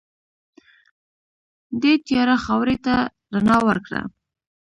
دې تیاره خاورې ته رڼا ورکړه.